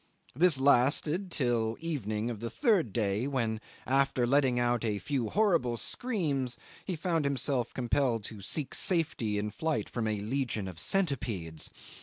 This lasted till the evening of the third day, when, after letting out a few horrible screams, he found himself compelled to seek safety in flight from a legion of centipedes.